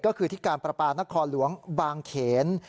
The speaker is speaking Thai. ก็คือที่การประปานครหลวงบางเขน